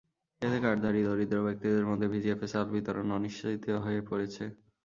এতে কার্ডধারী দরিদ্র ব্যক্তিদের মধ্যে ভিজিএফের চাল বিতরণ অনিশ্চিত হয়ে পড়েছে।